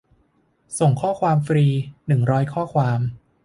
ส่งข้อความฟรี หนึ่งร้อยข้อความ